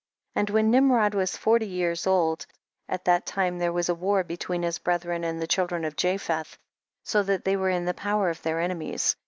34. And when Nimrod was forty years old, at that lime there was a war between his brethren and the children of Japhelh, so that they were in the power of their enemies.